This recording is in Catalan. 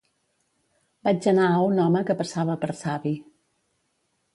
vaig anar a un home que passava per savi